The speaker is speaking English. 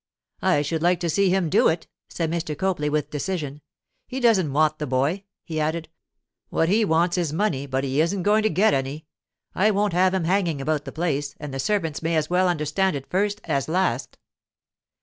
'I should like to see him do it!' said Mr. Copley, with decision. 'He doesn't want the boy,' he added. 'What he wants is money, but he isn't going to get any. I won't have him hanging about the place, and the servants may as well understand it first as last.